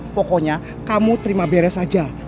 pokoknya kamu terima beres saja